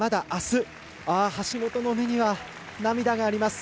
橋本の目には涙があります。